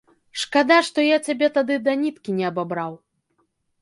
Шкада, што я цябе тады да ніткі не абабраў.